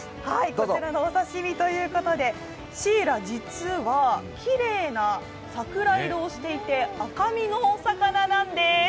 こちらのお刺身ということでシイラ実はきれいな桜色をしていて赤身のお魚なんです。